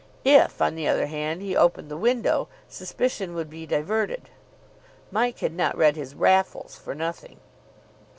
If, on the other hand, he opened the window, suspicion would be diverted. Mike had not read his "Raffles" for nothing.